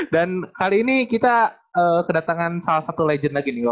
dan kali ini kita kedatangan salah satu legend lagi nih wak